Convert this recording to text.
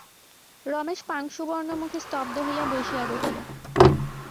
রমেশ পাংশুবর্ণমুখে স্তব্ধ হইয়া বসিয়া রহিল।